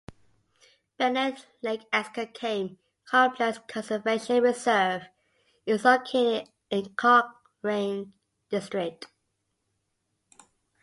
Bennet Lake Esker Kame Complex Conservation Reserve is located in Cochrane District.